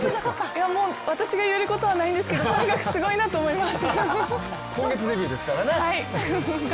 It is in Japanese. もう私が言えることはないんですけれども、とにかくすごいなと思います。